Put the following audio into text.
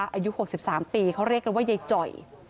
อายุ๖๓ปีเขาเลขกันว่าใยจ่อย